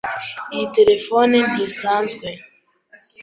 Iyi terefone ntisanzwe.